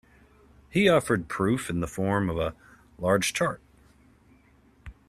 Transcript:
He offered proof in the form of a large chart.